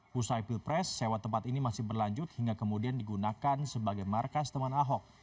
pusai pilpres sewa tempat ini masih berlanjut hingga kemudian digunakan sebagai markas teman ahok